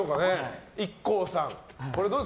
ＩＫＫＯさん